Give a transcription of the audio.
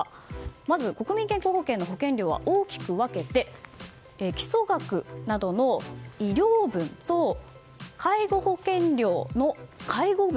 まず国民健康保険の保険料は大きく分けて基礎額などの医療分と介護保険料の、介護分。